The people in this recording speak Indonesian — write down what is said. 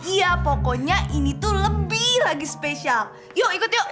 iya pokoknya ini tuh lebih lagi spesial yuk ikut yuk